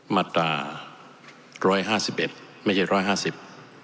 มาตราร้อยห้าสิบเอ็ดไม่ใช่ร้อยห้าสิบ